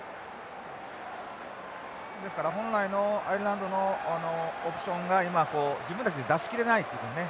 ですから本来のアイルランドのオプションが今こう自分たちで出し切れないというかね。